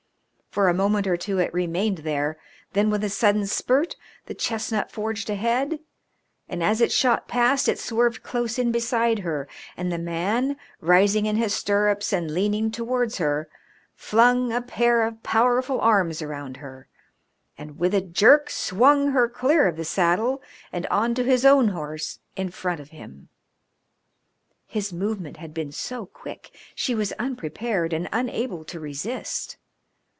For a moment or two it remained there, then with a sudden spurt the chestnut forged ahead, and as it shot past it swerved close in beside her, and the man, rising in his stirrups and leaning towards her, flung a pair of powerful arms around her, and, with a jerk, swung her clear of the saddle and on to his own horse in front of him. His movement had been so quick she was unprepared and unable to resist.